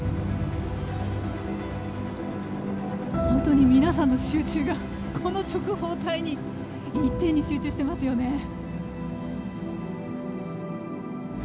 本当に、皆さんの集中がこの直方体に一点に集中していますよね。